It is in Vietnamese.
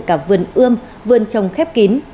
dựng cả vườn ươm vườn trồng khép kín